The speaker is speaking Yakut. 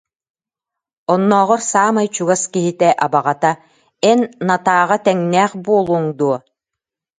Оннооҕор саамай чугас киһитэ абаҕата: «Эн Натааҕа тэҥнээх буолуоҥ дуо»